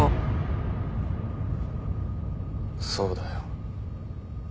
そうだよ。